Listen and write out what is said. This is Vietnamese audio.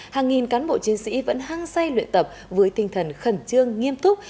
hàng nghìn cán bộ chiến sĩ vẫn hăng say luyện tập với tinh thần khẩn trương nghiêm túc